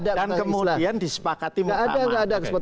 dan kemudian disepakati muktamar